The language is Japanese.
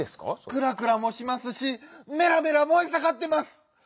「くらくら」もしますし「めらめら」もえさかってます！